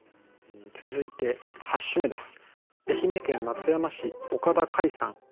続いて８首目です。